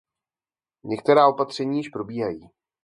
Některá opatření již probíhají.